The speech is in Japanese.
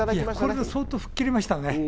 これで相当吹っ切れましたね。